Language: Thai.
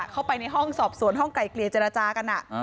เข้าไปในห้องสอบสวนห้องไกลเกลี่ยเจรจากัน